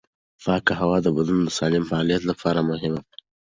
پاکه هوا د بدن د سالم فعالیت لپاره مهمه ده.